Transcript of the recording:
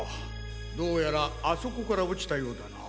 どうやらあそこから落ちたようだな。